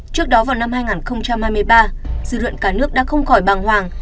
trước đó vào năm hai nghìn hai mươi ba dư luận cả nước đã không khỏi bàng hoàng